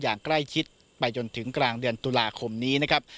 อย่างใกล้ชิดไปจนถึงกลางเดือนตุลาคมนี้นะครับ